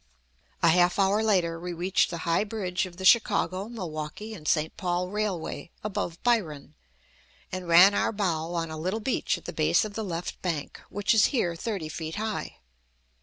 A half hour later we reached the high bridge of the Chicago, Milwaukee and St. Paul railway, above Byron, and ran our bow on a little beach at the base of the left bank, which is here thirty feet high.